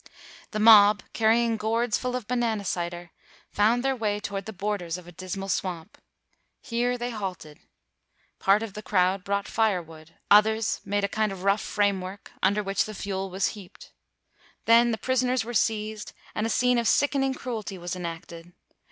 "The mob, carrying gourds full of ba nana cider, found their way toward the bor ders of a dismal swamp. Here they halted. Part of the crowd brought fire wood, others made a kind of rough frame work, under which the fuel was heaped. Then the pris oners were seized, and a scene of sickening cruelty was enacted.